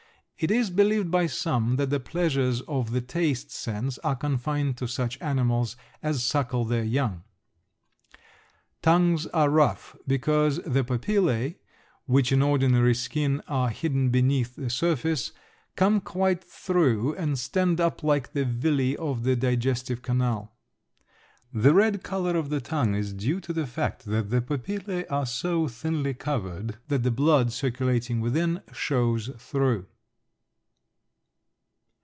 It is believed by some that the pleasures of the taste sense are confined to such animals as suckle their young. Tongues are rough because the papillæ, which in ordinary skin are hidden beneath the surface, come quite through and stand up like the villi of the digestive canal. The red color of the tongue is due to the fact that the papillæ are so thinly covered that the blood circulating within shows through.